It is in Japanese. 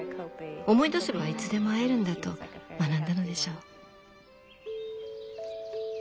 思い出せばいつでも会えるんだと学んだのでしょう。